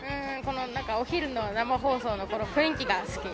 何か、お昼の生放送のこの雰囲気が好き。